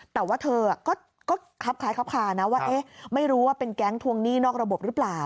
แต่ว่าเธอก็คับคล้ายคับคานะว่าไม่รู้ว่าเป็นแก๊งทวงหนี้นอกระบบหรือเปล่า